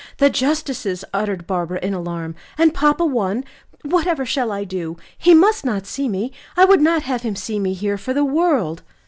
"The justices!" uttered Barbara, in alarm; "and papa one? Whatever shall I do? He must not see me. I would not have him see me here for the world."